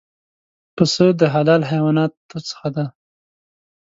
پسه د حلال حیواناتو څخه دی.